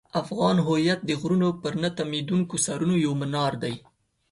افغان هویت د غرونو پر نه تمېدونکو سرونو یو منار دی.